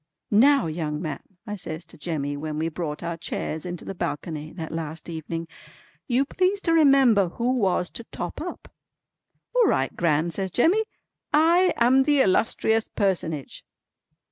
"Now young man," I says to Jemmy when we brought our chairs into the balcony that last evening, "you please to remember who was to 'top up.'" "All right Gran" says Jemmy. "I am the illustrious personage."